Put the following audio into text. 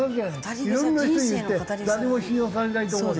いろんな人に言って誰にも信用されないと思うよ。